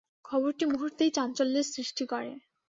খবরটি মুহূর্তেই চাঞ্চল্যের সৃষ্টি করে।